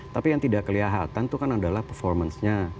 tapi yang tidak kelihatan itu kan adalah performance nya